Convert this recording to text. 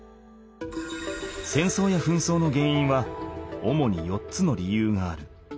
戦争や紛争の原因は主に４つの理由がある。